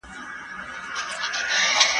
زه پرون بوټونه پاکوم؟